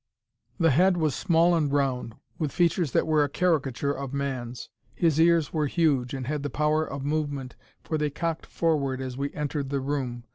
The head was small and round, with features that were a caricature of man's. His ears were huge, and had the power of movement, for they cocked forward as we entered the room.